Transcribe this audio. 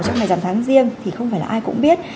trong ngày giảm tháng riêng thì không phải là ai cũng biết